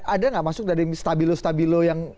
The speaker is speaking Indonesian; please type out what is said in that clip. ada nggak masuk dari stabilo stabilo yang